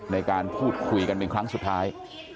ในการพูดคุยกันเป็นครั้งสุดท้าย